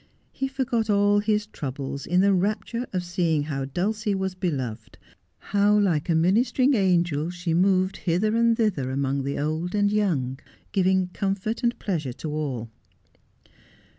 He forgot all his troubles in the rapture of seeing how Dulcie was beloved, how like a ministering angel she moved hither and thither among the old and young, giving comfort and pleasure to all.